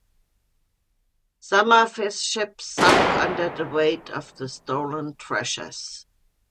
Some of his ships sunk under the weight of the stolen treasures.